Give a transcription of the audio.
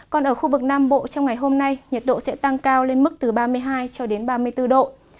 còn ở khu vực nam bộ trong ngày hôm nay nhiệt độ sẽ tăng cao lên mức từ ba mươi hai cho đến ba mươi bốn độ